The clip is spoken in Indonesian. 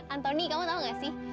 anthony kamu tau gak sih